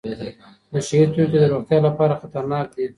نشه یې توکي د روغتیا لپاره خطرناک دي.